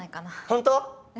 本当？